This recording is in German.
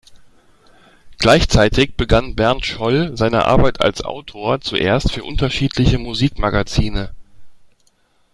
Gleichzeitig begann Bernd Scholl seine Arbeit als Autor zuerst für unterschiedliche Musikmagazine.